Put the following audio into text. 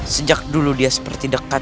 sejak dulu dia seperti dekat